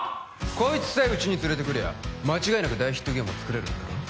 こいつさえうちに連れてくりゃ間違いなく大ヒットゲームを作れるんだろ？